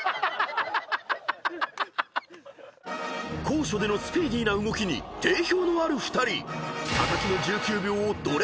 ［高所でのスピーディーな動きに定評のある２人］